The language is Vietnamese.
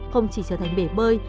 không chỉ trở thành bể bơi